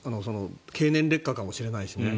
経年劣化かもしれないしね。